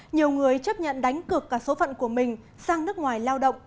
nhiều người chấp nhận đánh cực cả số phận của mình sang nước ngoài lao động